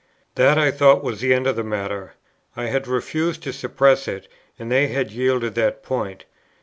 That I thought was the end of the matter. I had refused to suppress it, and they had yielded that point.